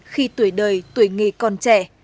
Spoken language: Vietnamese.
khi tuổi đời tuổi nghề còn trẻ